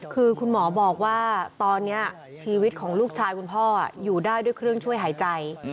คือคุณหมอบอกว่าตอนนี้ชีวิตของลูกชายคุณพ่ออยู่ได้ด้วยเครื่องช่วยหายใจ